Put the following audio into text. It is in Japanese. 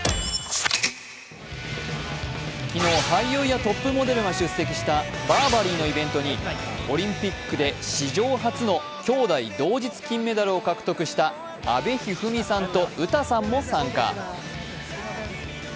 昨日俳優やトップモデルなどが出席したバーバリーのイベントにオリンピックで史上初のきょうだい同日金メダルを獲得した阿部一二三さんと詩さんも参加。